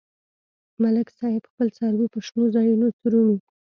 ملک صاحب خپل څاروي په شنو ځایونو څرومي.